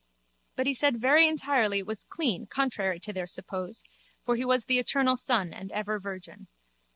But he said very entirely it was clean contrary to their suppose for he was the eternal son and ever virgin.